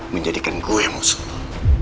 menjadikan gue musuh lo